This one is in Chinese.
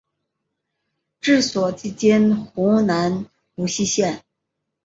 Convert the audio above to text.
治所即今湖南泸溪县。